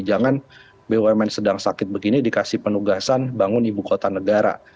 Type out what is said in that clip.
jangan bumn sedang sakit begini dikasih penugasan bangun ibu kota negara